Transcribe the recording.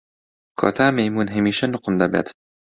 کۆتا مەیموون هەمیشە نوقم دەبێت.